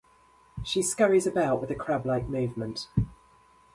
She scurries about with a crab-like movement.